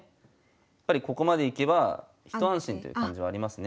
やっぱりここまでいけば一安心という感じはありますね。